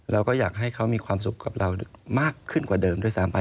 เราก็อยากให้เขามีความสุขกับเรามากขึ้นกว่าเดิมด้วยซ้ำไป